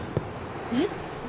えっ？